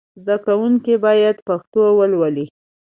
زدهکوونکي باید پښتو ولولي.